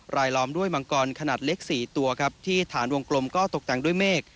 ล้อมด้วยมังกรขนาดเล็ก๔ตัวครับที่ฐานวงกลมก็ตกแต่งด้วยเมฆ